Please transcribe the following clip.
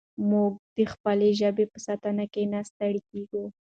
موږ د خپلې ژبې په ساتنه کې نه ستړي کېږو.